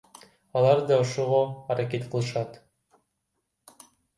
Алар да ошого аракет кылышат.